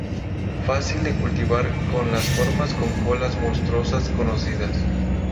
Fácil de cultivar, con las formas con colas monstruosas conocidas.